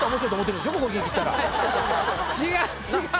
違う違う。